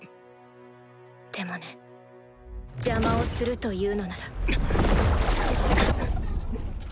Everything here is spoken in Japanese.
でもね邪魔をするというのなら。